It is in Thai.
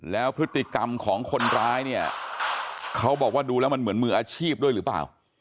แล้วพฤติกรรมของคนร้ายเนี่ยเขาบอกว่าดูแล้วมันเหมือนมืออาชีพด้วยหรือเปล่า